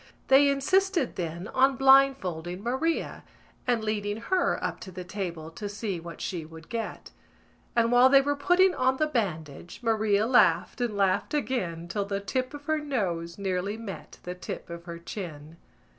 _ They insisted then on blindfolding Maria and leading her up to the table to see what she would get; and, while they were putting on the bandage, Maria laughed and laughed again till the tip of her nose nearly met the tip of her chin.